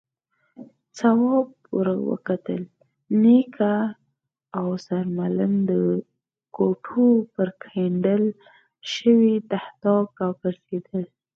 تواب ور وکتل، نيکه او سرمعلم د کوټو پر کېندل شوي تهداب راګرځېدل.